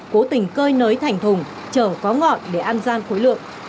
cố tình cơi nới thành thùng chở có ngọn để ăn gian khối lượng